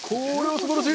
すばらしい！